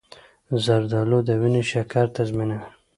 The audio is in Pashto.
زردآلو د وینې شکر تنظیموي.